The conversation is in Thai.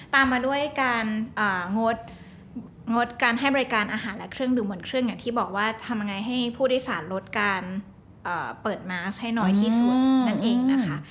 ตามมาด้วยการงดการให้บริการอาหารและเครื่องดื่มเหมือนเครื่องอย่างที่บอกว่าทำยังไงให้ผู้โดยสารลดการเปิดมาร์คให้น้อยที่สุดนั่นเองนะคะ